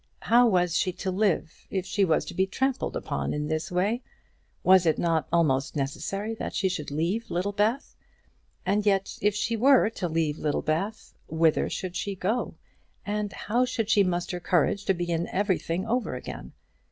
How was she to live if she was to be trampled upon in this way? Was it not almost necessary that she should leave Littlebath? And yet if she were to leave Littlebath, whither should she go, and how should she muster courage to begin everything over again?